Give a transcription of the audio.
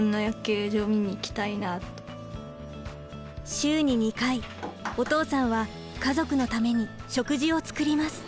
週に２回お父さんは家族のために食事を作ります。